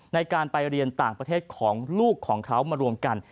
ในการไปเรียนต่างประเทศของลูกของเขามารวมกัน